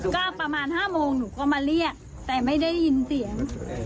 ก็ประมาณ๕โมงหนูก็มาเรียกแต่ไม่ได้ยินเสียง